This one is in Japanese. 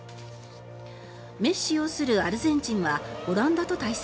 メッシ擁するアルゼンチンはオランダと対戦。